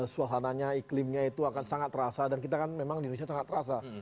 suasananya iklimnya itu akan sangat terasa dan kita kan memang di indonesia sangat terasa